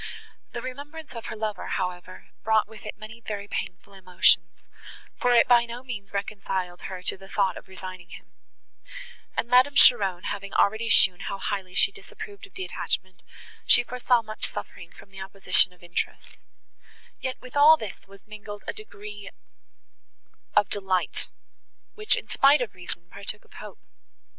The remembrance of her lover, however, brought with it many very painful emotions, for it by no means reconciled her to the thought of resigning him; and, Madame Cheron having already shown how highly she disapproved of the attachment, she foresaw much suffering from the opposition of interests; yet with all this was mingled a degree of delight, which, in spite of reason, partook of hope.